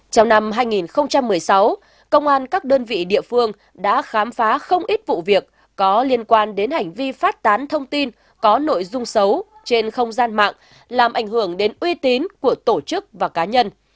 trong năm hai nghìn một mươi sáu công an các đơn vị địa phương đã khám phá không ít vụ việc có liên quan đến hành vi phát tán thông tin có nội dung xấu trên không gian mạng làm ảnh hưởng đến uy tín của tổ chức và cá nhân